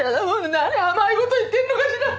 何甘いこと言ってんのかしら？